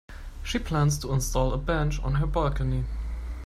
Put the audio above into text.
She plans to install a bench on her balcony.